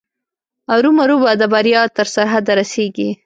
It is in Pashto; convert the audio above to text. ارومرو به د بریا تر سرحده رسېږي.